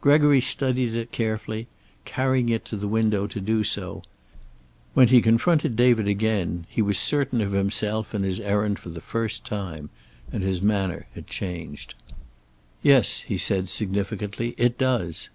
Gregory studied it carefully, carrying it to the window to do so. When he confronted David again he was certain of himself and his errand for the first time, and his manner had changed. "Yes," he said, significantly. "It does."